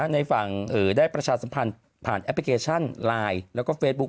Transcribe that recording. ในฝั่งได้ประชาสัมพันธ์ผ่านแอปพลิเคชันไลน์แล้วก็เฟซบุ๊